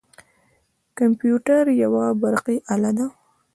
کمپیوتر یوه برقي اله ده.